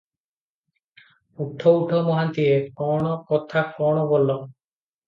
ଉଠ ଉଠ ମହାନ୍ତିଏ, କଣ କଥା କଣ ବୋଲ ।"